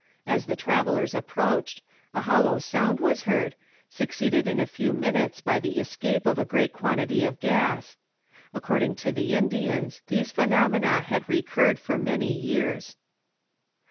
As the travellers approached a hollow sound was heard, succeeded in a few minutes by the escape of a great quantity of gas. According to the Indians these phenomena had recurred for many years.